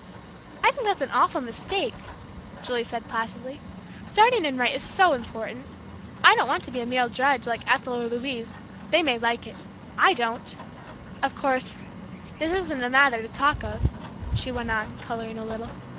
"I think that's an awful mistake," Julie said placidly. "Starting in right is so important. I don't want to be a mere drudge like Ethel or Louise they may like it. I don't! Of course, this isn't a matter to talk of," she went on, coloring a little.